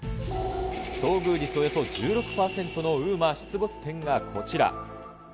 遭遇率およそ１６％のＵＭＡ出没店がこちら。